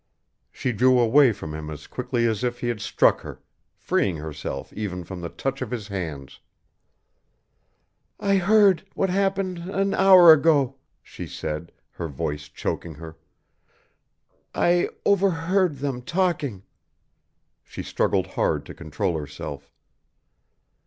She drew away from him as quickly as if he had struck her, freeing herself even from the touch of his hands. "I heard what happened an hour ago," she said, her voice choking her. "I overheard them talking." She struggled hard to control herself.